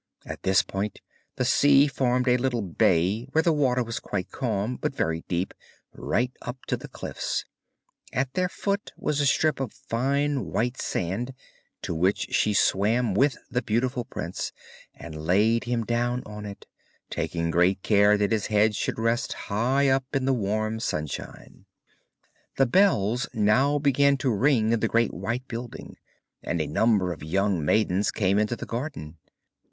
At this point the sea formed a little bay where the water was quite calm, but very deep, right up to the cliffs; at their foot was a strip of fine white sand to which she swam with the beautiful prince, and laid him down on it, taking great care that his head should rest high up in the warm sunshine. The bells now began to ring in the great white building, and a number of young maidens came into the garden.